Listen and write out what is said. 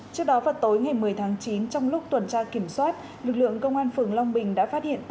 trước đó vào tối ngày một mươi tháng chín trong lúc tuần tra kiểm soát lực lượng công an phường long bình đã phát hiện